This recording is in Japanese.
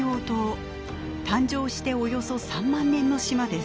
誕生しておよそ３万年の島です。